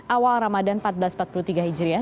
awal ramadan seribu empat ratus empat puluh tiga hijriah